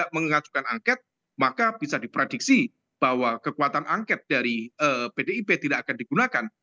mengajukan angket maka bisa diprediksi bahwa kekuatan angket dari pdip tidak akan digunakan